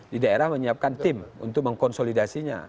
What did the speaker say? di daerah menyiapkan tim untuk mengkonsolidasinya